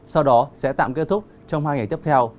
sau đó sẽ tạm kết thúc trong hai ngày tiếp theo